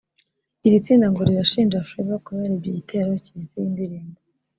Iri tsinda ngo rirashinja Flavour kuba yaribye igitero kigize iyi ndirimbo